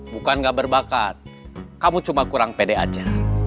bukan gak berbakat kamu cuma kurang pede aja